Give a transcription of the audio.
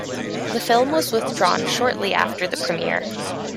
The film was withdrawn shortly after the premiere.